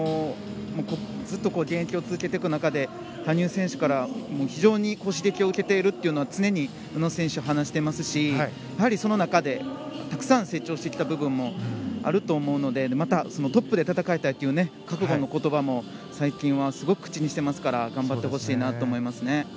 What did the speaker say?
ずっと現役を続けていく中で羽生選手から非常に刺激を受けているというのは常に宇野選手は話していますしその中でたくさん成長してきた部分もあると思うのでまたトップで戦いたいという覚悟の言葉も最近はすごく口にしているので頑張ってほしいと思います。